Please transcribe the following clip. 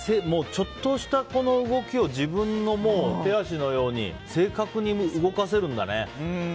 ちょっとした動きを自分の手足のように正確に動かせるんだね。